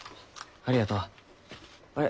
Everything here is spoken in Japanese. ありがとう。あれ？